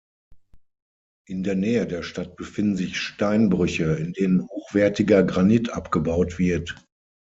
In der Nähe der Stadt befinden sich Steinbrüche, in denen hochwertiger Granit abgebaut wird.